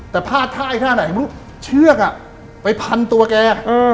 แต่พลาดท่าไอ้ท่าไหนเชือกอ่ะไปพันตัวแก